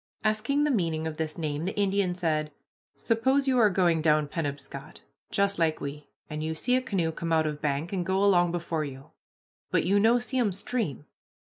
Asking the meaning of this name, the Indian said, "Suppose you are going down Penobscot, just like we, and you see a canoe come out of bank and go along before you, but you no see 'em stream.